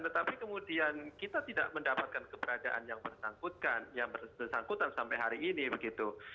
tetapi kemudian kita tidak mendapatkan keberadaan yang bersangkutan yang bersangkutan sampai hari ini begitu